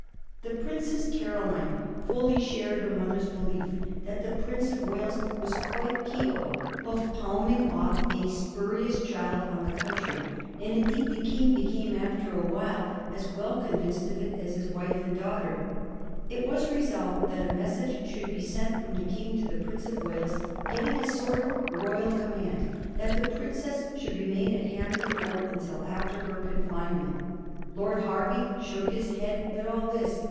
The Princess Caroline fully shared her mother's belief that the Prince of Wales was quite capable of palm ing off a spurious child on the country; and indeed the King became after a while as well convinced of it as his wife and his daughter. It was resolved that a message should be sent from the King to the Prince of Wales, giv ing a sort of Royal command that the princess should re main at Hampton Court until after her confinement. Lord Hervey shook his head at all this.